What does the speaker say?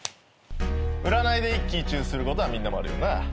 占いで一喜一憂することはみんなもあるよな？